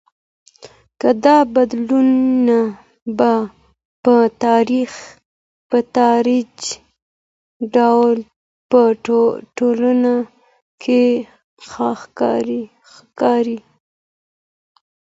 دا بدلونونه په تدريجي ډول په ټولنه کي ښکاري.